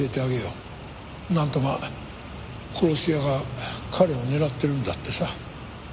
なんとまあ殺し屋が彼を狙ってるんだってさ。